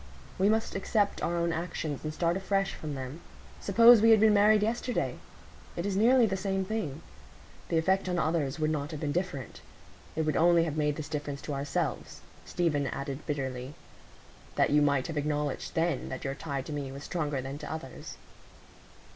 We must accept our own actions and start afresh from them. Suppose we had been married yesterday? It is nearly the same thing. The effect on others would not have been different. It would only have made this difference to ourselves," Stephen added bitterly, "that you might have acknowledged then that your tie to me was stronger than to others."